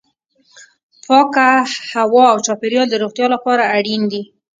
پاکه هوا او چاپیریال د روغتیا لپاره اړین دي.